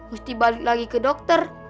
mesti balik lagi ke dokter